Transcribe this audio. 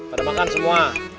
pada makan semua